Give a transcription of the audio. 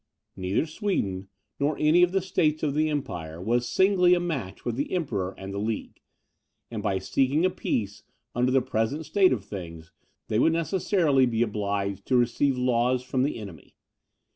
Neither Sweden, nor any of the states of the empire, was singly a match with the Emperor and the League; and, by seeking a peace under the present state of things, they would necessarily be obliged to receive laws from the enemy.